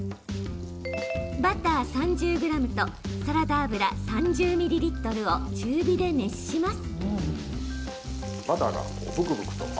バター３０ｇとサラダ油３０ミリリットルを中火で熱します。